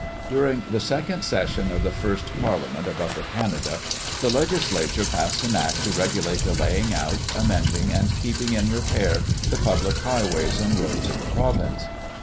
During the second session of the first Parliament of Upper Canada the Legislature passed an Act to regulate the laying out, amending, and keeping in repair the public highways and roads of the province.